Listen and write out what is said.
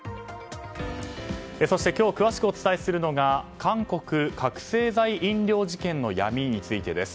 そして今日詳しくお伝えするのが韓国、覚醒剤飲料事件の闇についてです。